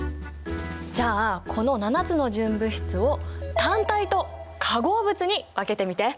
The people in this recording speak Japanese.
じゃあこの７つの純物質を単体と化合物に分けてみて。